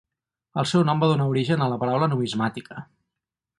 El seu nom va donar origen a la paraula numismàtica.